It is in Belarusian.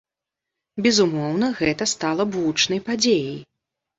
Безумоўна, гэта стала б гучнай падзеяй.